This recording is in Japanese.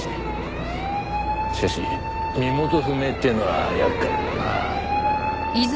しかし身元不明ってのは厄介だな。